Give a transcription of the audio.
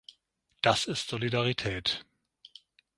Das ist Solidarität.